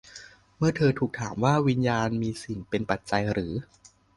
เมื่อเธอถูกถามว่า วิญญาณมีสิ่งเป็นปัจจัยหรือ